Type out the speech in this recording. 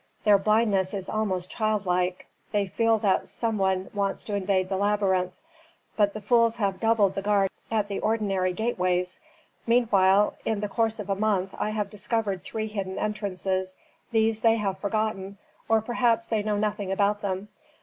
Their blindness is almost childlike. They feel that some one wants to invade the labyrinth, but the fools have doubled the guard at the ordinary gateways. Meanwhile, in the course of a month I have discovered three hidden entrances, these they have forgotten, or perhaps they know nothing about them.